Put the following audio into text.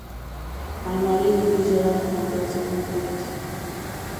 الماري کې د ژړا او خندا ځایونه پټ دي